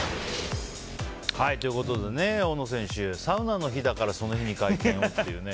大野選手、サウナの日だからその日に会見をというね。